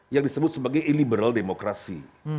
yang disebut sebagai illiberal demokrasi